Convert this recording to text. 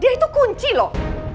dia itu kunci loh